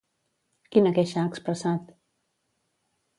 Quina queixa ha expressat?